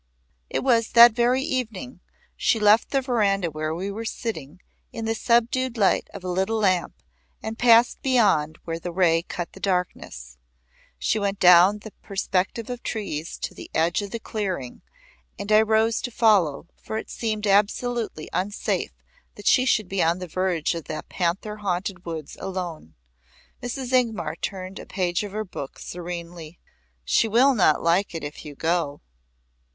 It was that very evening she left the veranda where we were sitting in the subdued light of a little lamp and passed beyond where the ray cut the darkness. She went down the perspective of trees to the edge of he clearing and I rose to follow for it seemed absolutely unsafe that she should be on the verge of the panther haunted woods alone. Mrs. Ingmar turned a page of her book serenely; "She will not like it if you go.